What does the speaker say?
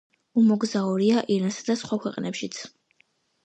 უმოგზაურია ირანსა და სხვა ქვეყნებშიც.